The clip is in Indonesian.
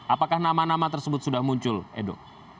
apakah nama nama tersebut sudah muncul edo